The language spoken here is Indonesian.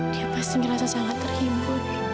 dia pasti merasa sangat terhibur